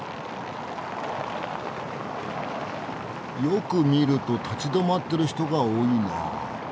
よく見ると立ち止まってる人が多いなあ。